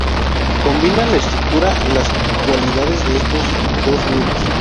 Combina la estructura y las cualidades de estos dos nudos.